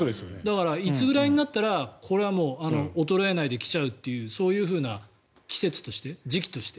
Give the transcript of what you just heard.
だからいつぐらいになったら衰えないで来ちゃうというそういうふうな季節として時期として。